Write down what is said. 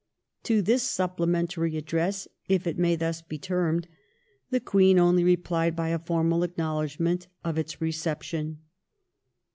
To this supplement ary Address, if it may thus be termed, the Queen only replied by a formal acknowledgment of its reception.